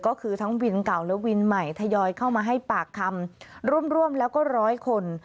ก็คือทั้งวินเก่าและวินใหม่ทยอยเข้ามาให้ปากคำร่วมแล้วก็ร้อยคน